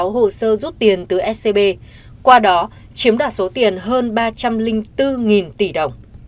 chín trăm một mươi sáu hồ sơ rút tiền từ scb qua đó chiếm đả số tiền hơn ba trăm linh bốn tỷ đồng